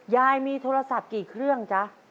ยายมีโทรศัพท์กี่เครื่องจ๊ะ